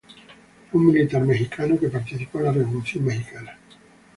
Fue un militar mexicano que participó en la Revolución mexicana.